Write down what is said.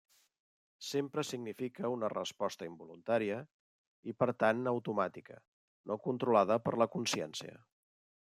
Sempre significa una resposta involuntària, i per tant automàtica, no controlada per la consciència.